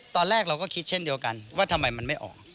ตอนแรกเราก็คิดเช่นเดียวกันว่าทำไมมันไม่ออก